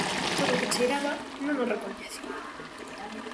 Todo o que cheiraba non o recoñecía.